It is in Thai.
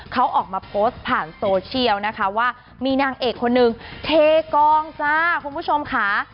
เขาออกมาโพสต์ผ่านโซเชียลนะคะว่ามีนางเอกคนนึงเทกองจ้าคุณผู้ชมค่ะ